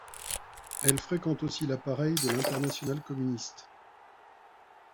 Elle fréquente aussi l'appareil de l'Internationale communiste.